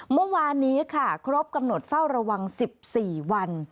เมื่อวานนี้ค่ะครบกำหนดเฝ้าระวัง๑๔วัน